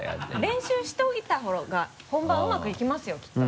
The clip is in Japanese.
練習しておいたほうが本番うまくいきますよきっと。